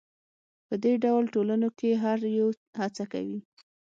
په دې ډول ټولنو کې هر یو هڅه کوي.